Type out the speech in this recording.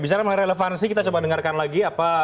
bicara mengenai relevansi kita coba dengarkan lagi